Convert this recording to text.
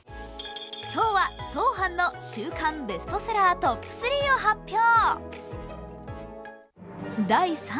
今日はＴＯＨＡＮの週間ベストセラートップ３を発表。